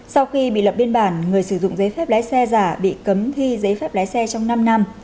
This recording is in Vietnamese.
sau khi bị lập biên bản người sử dụng giấy phép lái xe giả bị cấm thi giấy phép lái xe trong năm năm